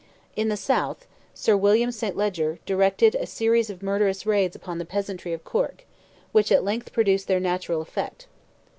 In the South, Sir William St. Leger directed a series of murderous raids upon the peasantry of Cork, which at length produced their natural effect.